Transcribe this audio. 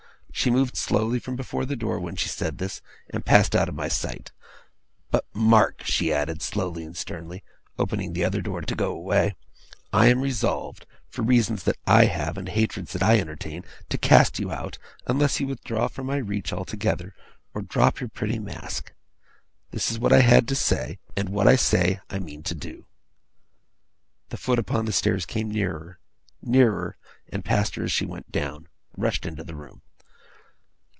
She moved slowly from before the door when she said this, and passed out of my sight. 'But mark!' she added, slowly and sternly, opening the other door to go away, 'I am resolved, for reasons that I have and hatreds that I entertain, to cast you out, unless you withdraw from my reach altogether, or drop your pretty mask. This is what I had to say; and what I say, I mean to do!' The foot upon the stairs came nearer nearer passed her as she went down rushed into the room!